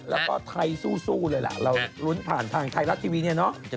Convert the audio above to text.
แล้วก็ไทยสู้เลยล่ะเรารุ้นผ่านทางไทยรัฐทีวีเนี่ยเนาะ